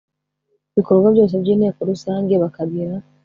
bikorwa byose by Inteko Rusange bakagira